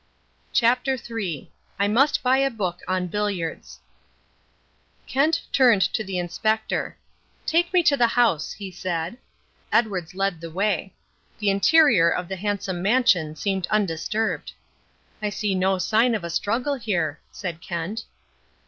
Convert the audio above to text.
CHAPTER III I MUST BUY A BOOK ON BILLIARDS Kent turned to the Inspector. "Take me into the house," he said. Edwards led the way. The interior of the handsome mansion seemed undisturbed. "I see no sign of a struggle here," said Kent.